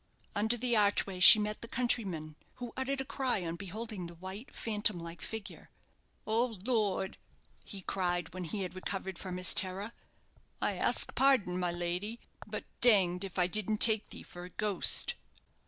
Under the archway she met the countryman, who uttered a cry on beholding the white, phantom like figure. "Oh, Loard!" he cried, when he had recovered from his terror; "I ask pardon, my lady, but danged if I didn't teak thee for a ghaist."